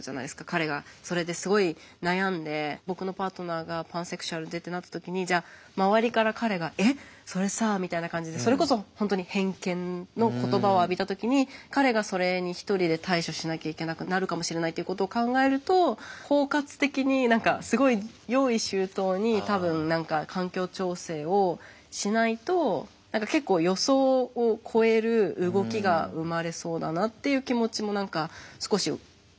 彼がそれですごい悩んで僕のパートナーがパンセクシュアルでってなった時にじゃあ周りから彼がえっそれさみたいな感じでそれこそ本当に偏見の言葉を浴びた時に彼がそれに一人で対処しなきゃいけなくなるかもしれないっていうことを考えると包括的に何か何か結構だなっていう気持ちも何か少し思い浮かんだんですけど。